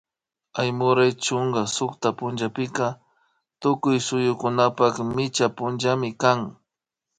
Aymuray chunka sukta punllapika tukuy suyukunapak micha punllami kan